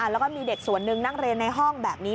แล้วก็มีเด็กส่วนหนึ่งนั่งเรียนในห้องแบบนี้